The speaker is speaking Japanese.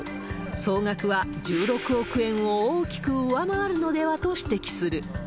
総額は１６億円を大きく上回るのではと指摘する。